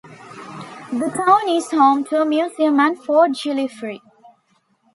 The town is home to a museum and Fort Jillifree.